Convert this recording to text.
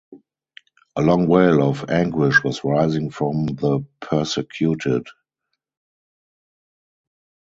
A long wail of anguish was rising from the persecuted.